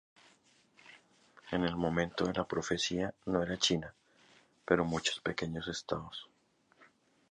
En el momento de la profecía no era China, pero muchos pequeños estados.